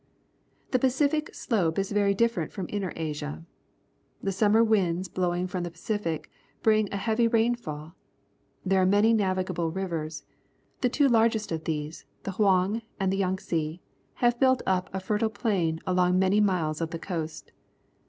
The Pacific slope is very different from Inner Asia. The summer winds blowing from the Pacific bring a heavy rainfall. There are many navigable rivers. The two largest of these, the Hjl'dng and the Yangtze, have built up a fertile plain along many miles of the coast.